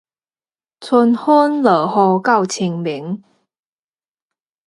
春分落雨到清明